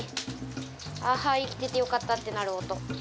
ああー生きててよかったってなる音。